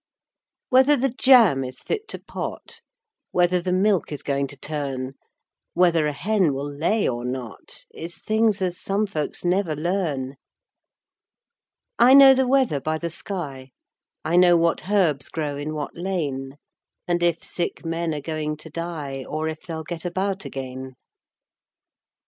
Whether the jam is fit to pot, Whether the milk is going to turn, Whether a hen will lay or not, Is things as some folks never learn. I know the weather by the sky, I know what herbs grow in what lane; And if sick men are going to die, Or if they'll get about again.